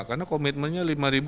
karena komitmennya lima tiga ratus